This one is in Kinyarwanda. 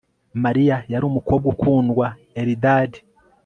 Mariya yari umukobwa ukundwa Eldad